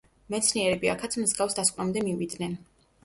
მეცნიერები აქაც მსგავს დასკვნამდე მივიდნენ.